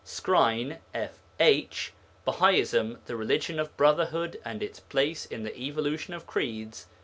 SKRINE, F. H. _Bahaism, the Religion of Brotherhood and its place in the Evolution of Creeds.